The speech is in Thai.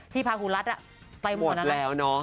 ที่พาครูรัสไปหมดแล้วเนาะ